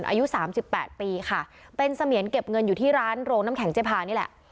อายุสามสิบแปดปีค่ะเป็นเสมียนเก็บเงินอยู่ที่ร้านโรงน้ำแข็งเจพานี่แหละ